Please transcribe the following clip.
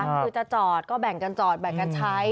คือจะจอดก็แบ่งกันจอดแบ่งกันใช้